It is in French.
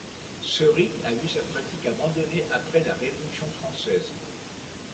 Ce rite a vu sa pratique abandonnée après la Révolution française.